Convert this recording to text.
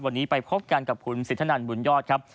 วันนี้ไปพบกันกับคุณสินทนันบุญยอดครับ